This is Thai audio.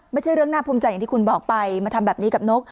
ไม่ใช่เรื่องน่าภูมิใจอย่างที่คุณบอกไปมาทำแบบนี้กับนก